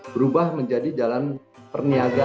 berubah menjadi jalan perniagaan